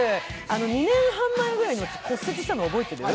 ２年半前ぐらいに骨折したの覚えてる？